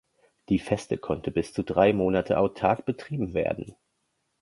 Die Feste konnte bis zu drei Monate autark betrieben werden.